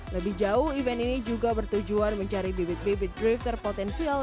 lebih jauh event ini juga bertujuan mencari bibit bibit drifter potensial